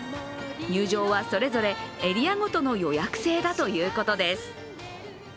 入場はそれぞれエリアごとの予約制だということです。